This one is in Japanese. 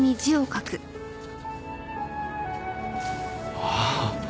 ああ。